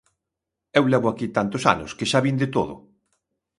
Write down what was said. Eu levo aquí tantos anos que xa vin de todo.